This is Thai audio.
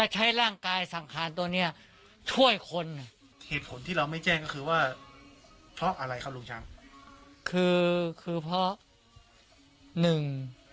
หนึ่ง